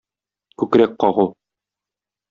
Күкрәк кагу.